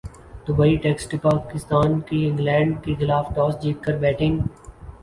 Dubai ٹیسٹپاکستان کی England کیخلاف toss جیت کر بیٹنگ